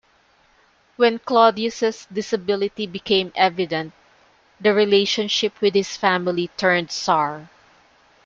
When Claudius' disability became evident, the relationship with his family turned sour.